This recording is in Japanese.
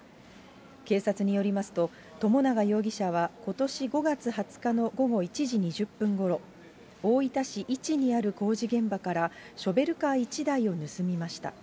警察によりますと、友永容疑者はことし５月２０日の午後１時２０分ごろ、大分市いちにある工事現場から、ショベルカー１台を盗みました。